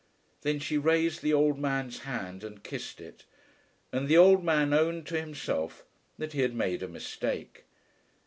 Then she raised the old man's hand and kissed it, and the old man owned to himself that he had made a mistake.